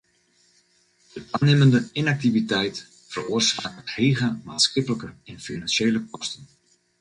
De tanimmende ynaktiviteit feroarsaket hege maatskiplike en finansjele kosten.